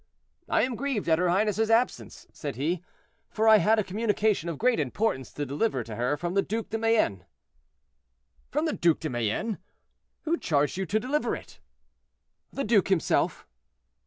"I am grieved at her highness's absence," said he, "for I had a communication of great importance to deliver to her from the Duc de Mayenne." "From the Duc de Mayenne! Who charged you to deliver it?" "The duke himself."